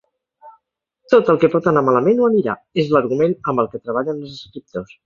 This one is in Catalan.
"Tot el que pot anar malament, ho anirà" és l'argument amb el que treballen els escriptors.